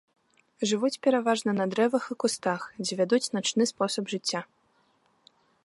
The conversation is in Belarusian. Жывуць пераважна на дрэвах і кустах, дзе вядуць начны спосаб жыцця.